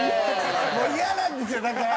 もうイヤなんですよだから。